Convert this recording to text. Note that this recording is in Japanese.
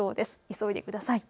急いでください。